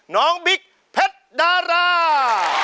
น้องบิ๊กเพชรดารา